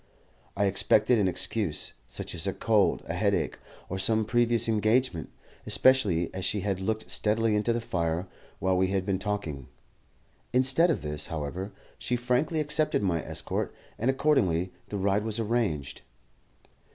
I expected an excuse, such as a cold, a headache, or some previous engagement, especially as she had looked steadily into the fire while we had been talking. Instead of this, however, she frankly accepted my escort, and accordingly the ride was arranged.